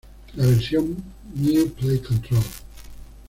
La versión "New Play Control!